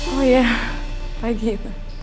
oh ya pagi itu